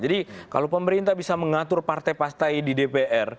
jadi kalau pemerintah bisa mengatur partai partai di dpr